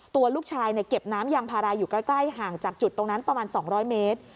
ตัวลูกชายเก็บน้ำยางพาราอยู่ใกล้ห่างจากจุดตรงนั้นประมาณ๒๐๐เมตร